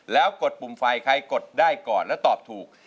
แล้วกดปุ่มไฟใครกดได้ก่อนแล้วตอบถูก